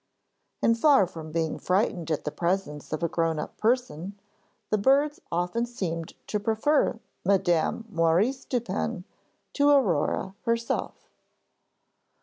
And far from being frightened at the presence of a grown up person, the birds often seemed to prefer Madame Maurice Dupin to Aurore herself.